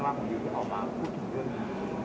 ความกล้าดิวที่พอมาพูดถึงเรื่องนี้